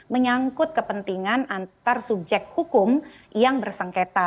menyangkut kepentingan antar subjek hukum yang bersengketa